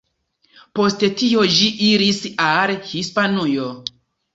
Post tio ĝi iris al Hispanujo.